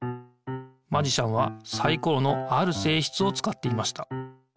マジシャンはサイコロのあるせいしつをつかっていました。